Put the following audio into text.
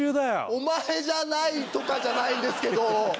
お前じゃないとかじゃないんですけど。